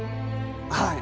はい。